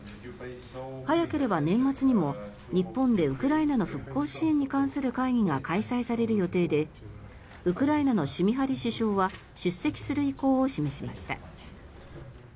早ければ年末にも日本でウクライナの復興支援に関する会議が開催される予定でウクライナのシュミハリ首相は出席する意向を示しました。